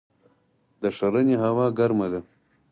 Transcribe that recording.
د ښرنې هوا ګرمه ده